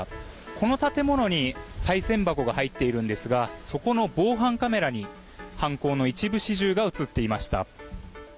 この建物にさい銭箱が入っているんですがそこの防犯カメラに犯行の一部始終が映っていました。